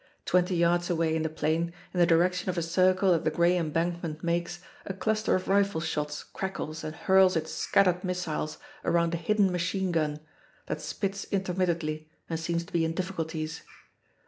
Twenty yards away in the plain, in the direction of a circle that the gray embankment makes, a cluster of rifle shots crackles and hurls its scattered missiles around a hidden machine gun, that spits intermittently and seems to be in difficulties.